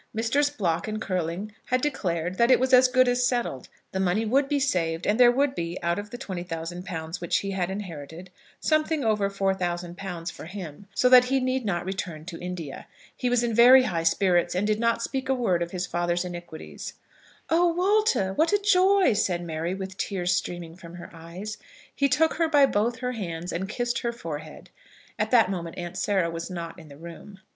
Messrs. Block and Curling had declared that it was as good as settled; the money would be saved, and there would be, out of the £20,000 which he had inherited, something over £4000 for him; so that he need not return to India. He was in very high spirits, and did not speak a word of his father's iniquities. "Oh, Walter, what a joy!" said Mary, with the tears streaming from her eyes. He took her by both her hands, and kissed her forehead. At that moment Aunt Sarah was not in the room.